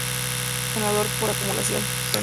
Fue electo Senador por Acumulación.